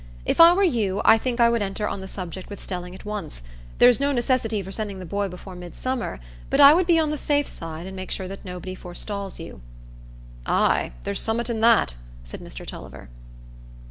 If I were you, I think I would enter on the subject with Stelling at once: there's no necessity for sending the boy before Midsummer, but I would be on the safe side, and make sure that nobody forestalls you." "Ay, there's summat in that," said Mr Tulliver.